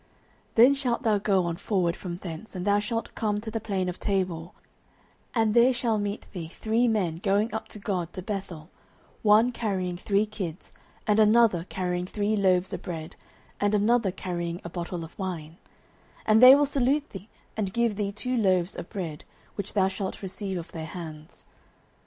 09:010:003 Then shalt thou go on forward from thence, and thou shalt come to the plain of Tabor, and there shall meet thee three men going up to God to Bethel, one carrying three kids, and another carrying three loaves of bread, and another carrying a bottle of wine: 09:010:004 And they will salute thee, and give thee two loaves of bread; which thou shalt receive of their hands.